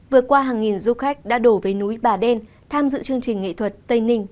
vừa qua hàng nghìn du khách đã đổ về núi bà đen tham dự chương trình nghệ thuật tây ninh